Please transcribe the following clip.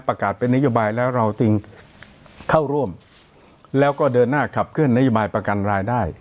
ประกาศเป็นนโยบายแล้วเราจึงเข้าร่วมแล้วก็เดินหน้าขับเคลื่อนนโยบายประกันรายได้